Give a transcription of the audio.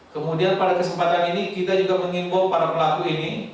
kemudian pada kesempatan ini kita juga mengimbau para pelaku ini